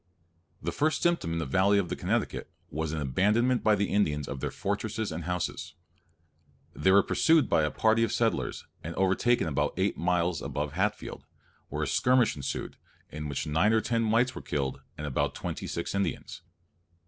The first symptom in the Valley of the Connecticut, was an abandonment by the Indians of their fortresses and houses. They were pursued by a party of settlers, and overtaken about eight miles above Hatfield; where a skirmish ensued, in which nine or ten whites were killed, and about twenty six Indians.